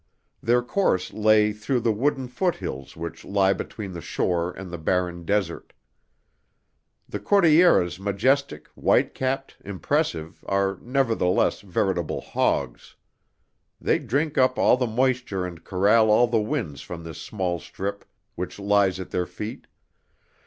Their course lay through the wooded foothills which lie between the shore and the barren desert. The Cordilleras majestic, white capped, impressive, are, nevertheless, veritable hogs. They drink up all the moisture and corral all the winds from this small strip which lies at their feet.